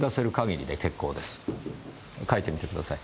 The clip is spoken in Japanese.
書いてみてください。